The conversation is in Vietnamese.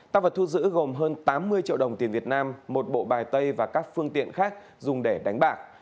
tăng vật thu giữ gồm hơn tám mươi triệu đồng tiền việt nam một bộ bài tay và các phương tiện khác dùng để đánh bạc